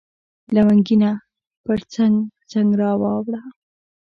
لونګینه پرڅنګ، پرڅنګ را واوړه